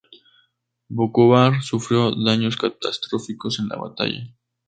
Vukovar sufrió daños catastróficos en la batalla.